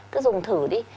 cứ dùng thử đi